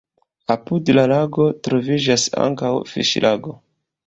Apud la lago troviĝas ankaŭ fiŝlago.